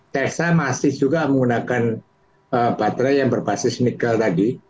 tersa masih juga menggunakan baterai yang berbasis nikel tadi